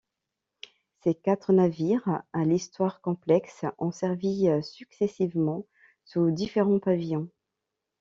Ces quatre navires, à l'histoire complexe, ont servi successivement sous différents pavillons.